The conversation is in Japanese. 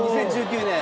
２０１９年。